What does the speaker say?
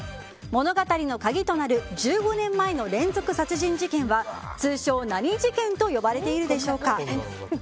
物語の鍵となる１５年前の連続殺人事件は通称、何事件と呼ばれているでしょうか。